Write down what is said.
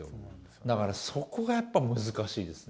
だからそこがやっぱ、難しいですね。